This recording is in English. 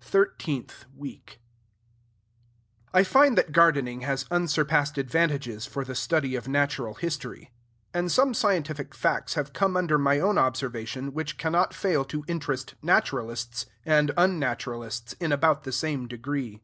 THIRTEENTH WEEK I find that gardening has unsurpassed advantages for the study of natural history; and some scientific facts have come under my own observation, which cannot fail to interest naturalists and un naturalists in about the same degree.